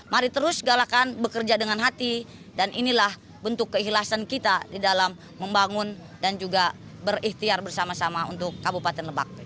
mari terus galakan bekerja dengan hati dan inilah bentuk keikhlasan kita di dalam membangun dan juga berikhtiar bersama sama untuk kabupaten lebak